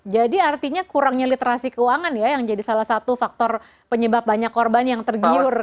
jadi artinya kurangnya literasi keuangan ya yang jadi salah satu faktor penyebab banyak korban yang tergiur